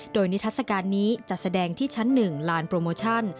โดยนิทัศกาลนี้จัดแสดงที่ชั้น๑ลานโปรโมชั่น